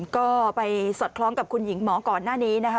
ก็ไปสอดคล้องกับคุณหญิงหมอก่อนหน้านี้นะคะ